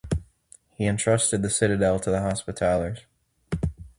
He entrusted the citadel to the Hospitallers.